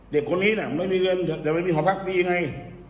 ม่ามมีฮัวพักษ์ฮอมฟรีไง